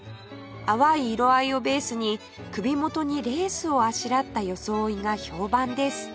淡い色合いをベースに首元にレースをあしらった装いが評判です